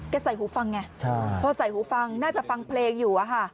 ใส่หูฟังไงพอใส่หูฟังน่าจะฟังเพลงอยู่อะค่ะ